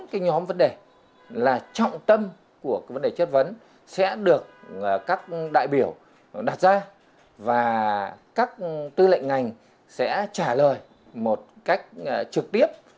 cái nhóm vấn đề là trọng tâm của vấn đề chất vấn sẽ được các đại biểu đặt ra và các tư lệnh ngành sẽ trả lời một cách trực tiếp